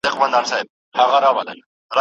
زنګېدی د زمري لور ته ور روان سو